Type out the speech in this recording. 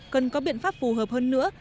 cần có biện pháp phù hợp hơn nữa